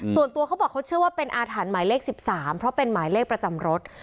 ส่วนตัวเขาบอกเขาเชื่อว่าเป็นอาถรรพ์หมายเลข๑๓เพราะเป็นหมายเลขประจำรถ